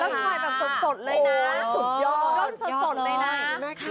แล้วทำให้แบบสดเลยนะสุดยอด